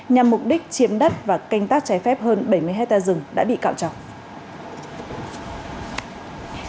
nhằm mục đích chiếm đất và canh tác trái phép hơn bảy mươi hectare rừng đã bị cạo chọc